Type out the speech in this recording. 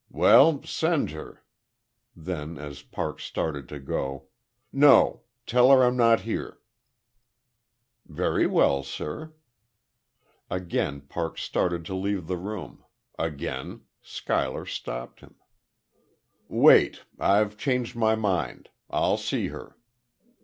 "Well, send her " Then, as Parks started to go: "No, tell her I'm not here." "Very well, sir." Again Parks started to leave the room; again Schuyler stopped him. "Wait. I've changed my mind. I'll see her."